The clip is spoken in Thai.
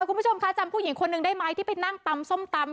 คุณผู้ชมคะจำผู้หญิงคนหนึ่งได้ไหมที่ไปนั่งตำส้มตำ